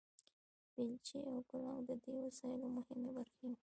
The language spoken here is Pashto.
بیلچې او کلنګ د دې وسایلو مهمې برخې وې.